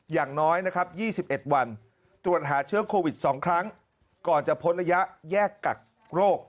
อย่างน้อยนะครับ๒๑วันตรวจหาเชื้อโควิด๒ครั้งก่อนจะพ้นระยะแยกกักโรค